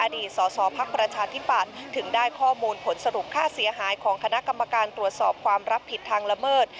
อดีตสสพักประชาธิปัตย์ถึงได้ข้อมูลผลสรุปค่าเสียหายของคณะกรรมการตรวจสอบความรับผิดทางละเมิด